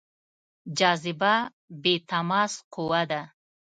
جاذبه بې تماس قوه ده.